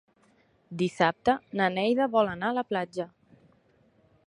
Dissabte na Neida vol anar a la platja.